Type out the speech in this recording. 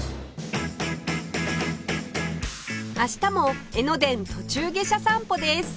明日も江ノ電途中下車散歩です